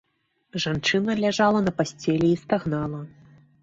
Жанчына ляжала на пасцелі і стагнала.